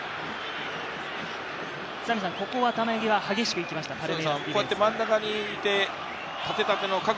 ここは球際激しく行きました。